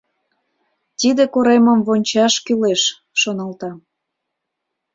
«Тиде коремым вончаш кӱлеш», — шоналта.